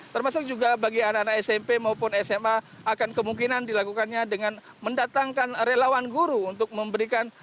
termasuk juga bagi anak anak smp maupun sma akan kemungkinan dilakukannya dengan mendatangkan relawan guru untuk memberikan